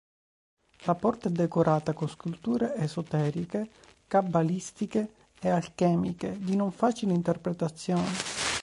La porta è decorata con sculture esoteriche, cabalistiche e alchemiche di non facile interpretazione.